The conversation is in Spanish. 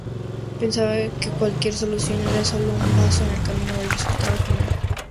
Pensaba que cualquier solución era solo un paso en el camino al resultado final.